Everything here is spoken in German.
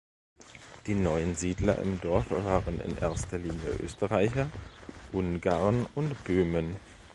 Die neuen Siedler im Dorf waren in erster Linie Österreicher, Ungarn und Böhmen.